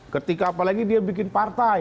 ketika apalagi dia bikin partai